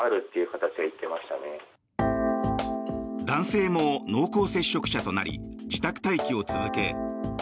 男性も濃厚接触者となり自宅待機を続け